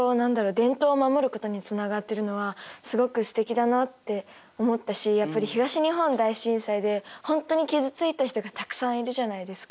伝統を守ることにつながっているのはすごくすてきだなって思ったしやっぱり東日本大震災で本当に傷ついた人がたくさんいるじゃないですか。